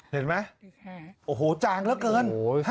เห็นไหมโอ้โหจางเหลือเกิน